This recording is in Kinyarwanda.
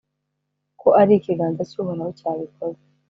ko ari ikiganza cy’Uhoraho cyabikoze,